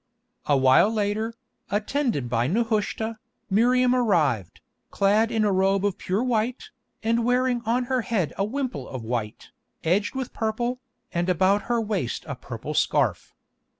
A while later, attended by Nehushta, Miriam arrived, clad in a robe of pure white, and wearing on her head a wimple of white, edged with purple, and about her waist a purple scarf.